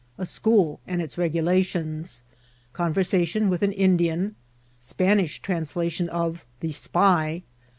—▲ School and ito R^golatioiia.— Oomreraation with an In dian.— Spanifh Tranalation of the *' Spy."